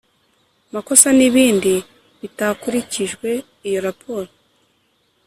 makosa n ibindi bitakurikijwe iyo raporo